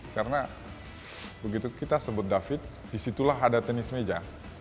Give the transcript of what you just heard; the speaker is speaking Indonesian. karena begitu kita sebut david disitulah ada tenis meja